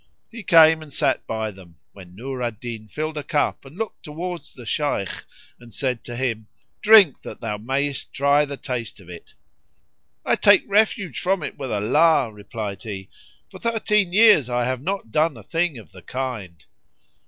He came and sat by them, when Nur al Din filled a cup and looked towards the Shaykh and said to him, "Drink, that thou mayest try the taste of it!" "I take refuge from it with Allah!" replied he; "for thirteen years I have not done a thing of the kind."